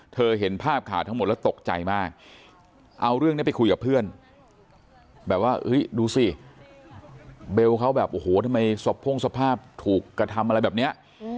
เห็นภาพข่าวทั้งหมดแล้วตกใจมากเอาเรื่องนี้ไปคุยกับเพื่อนแบบว่าดูสิเบลเขาแบบโอ้โหทำไมศพพ่งสภาพถูกกระทำอะไรแบบนี้